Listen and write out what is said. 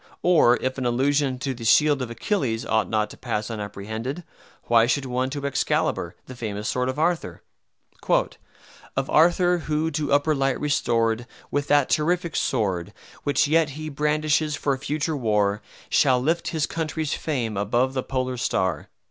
Or if an allusion to the shield of Achilles ought not to pass unapprehended, why should one to Excalibar, the famous sword of Arthur? "Of Arthur, who, to upper light restored, With that terrific sword, Which yet he brandishes for future war, Shall lift his country's fame above the polar star."